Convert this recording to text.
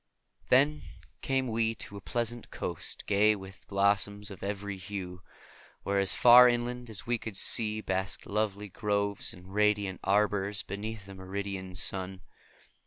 Then came we to a pleasant coast gay with blossoms of every hue, where as far inland as we could see basked lovely groves and radiant arbors beneath a meridian sun.